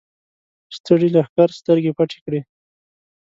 ستړي لښکر سترګې پټې کړې.